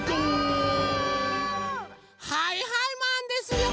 はいはいマンですよ！